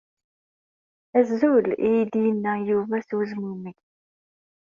Azul, ay d-yenna Yuba s wezmumeg.